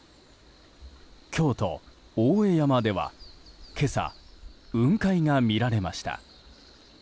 京都・大江山では今朝、雲海が見られました。